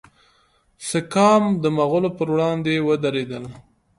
سکام د مغولو پر وړاندې ودریدل.